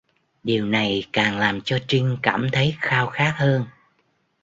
Điều này càng làm cho Trinh cảm thấy khao khát hơn